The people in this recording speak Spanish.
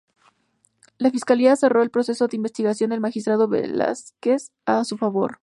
La Fiscalía cerró el proceso de investigación del magistrado Velásquez a su favor.